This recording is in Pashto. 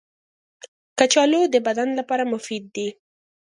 کچالو د بدن لپاره مفید دي